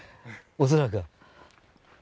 恐らく。